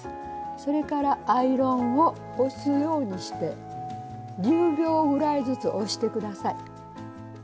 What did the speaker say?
それからアイロンを押すようにして１０秒ぐらいずつ押して下さい。